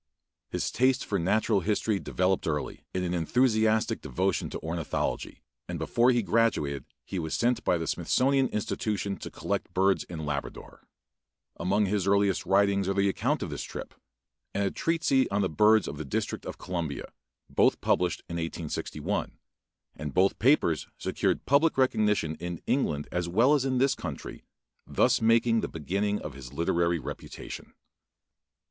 His taste for natural history developed early in an enthusiastic devotion to ornithology, and before he graduated he was sent by the Smithsonian Institution to collect birds in Labrador. Among his earliest writings are the account of this trip, and a treatise on the birds of the District of Columbia, both published in 1861, and both papers secured public recognition in England as well as in this country, thus making a beginning of his literary reputation.